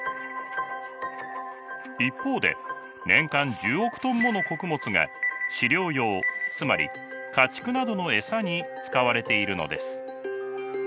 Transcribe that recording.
一方で年間１０億トンもの穀物が飼料用つまり家畜などの餌に使われているのです。